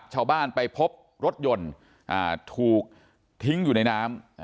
ชาวบ้านไปพบรถยนต์ถูกทิ้งอยู่ในน้ำ